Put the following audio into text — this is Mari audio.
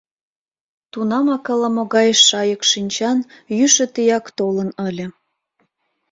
Тунамак ала-могай шайык шинчан йӱшӧ тияк толын ыле.